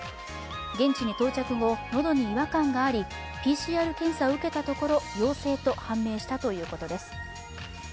現地に到着後、のどに違和感がありＰＣＲ検査を受けたところ陽性と判明したということです。